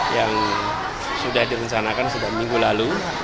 yang sudah direncanakan sejak minggu lalu